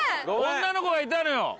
女の子がいたのよごめん！